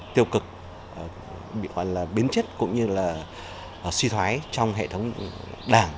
tiêu cực biến chất cũng như là suy thoái trong hệ thống đảng